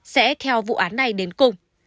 sẽ theo vụ án này đến cùng